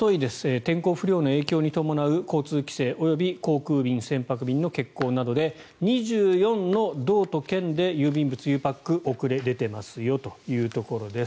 天候不良の影響に伴う交通規制及び航空便、船舶便の欠航などで２４の道と県で郵便物、ゆうパックに遅れが出ていますよというところです。